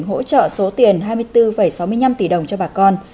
hỗ trợ số tiền hai mươi bốn sáu mươi năm tỷ đồng cho bà con